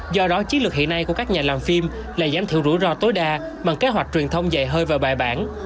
do đó chiến lược hiện nay của các nhà làm phim lại dám thiểu rủi ro tối đa bằng kế hoạch truyền thông dày hơi và bài bản